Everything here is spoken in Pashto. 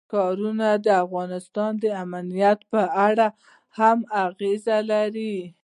ښارونه د افغانستان د امنیت په اړه هم اغېز لري.